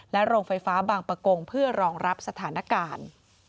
โรงไฟฟ้าบางประกงเพื่อรองรับสถานการณ์